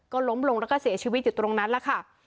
ก็ล้มลงแล้วก็เสียชีวิตอยู่ตรงนั้นแหละค่ะ